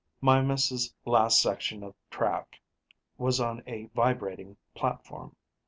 Mimas' last section of track was on a vibrating platform.